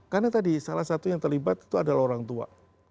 karena tadi salah satu yang terlibat itu adalah orang tua